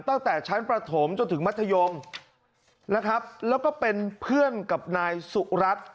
ตั้งแต่ชั้นประถมจนถึงมัธยมนะครับแล้วก็เป็นเพื่อนกับนายสุรัตน์